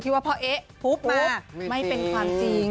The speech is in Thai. ที่ว่าพอเอ้พุดมาไม่เป็นครามจริง